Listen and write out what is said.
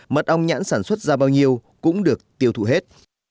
mật ong nhãn sản xuất ra bao nhiêu cũng được tiêu thụ hết